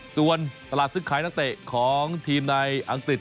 ส่วนตลาดซื้อขายนักเตะของทีมในอังกฤษ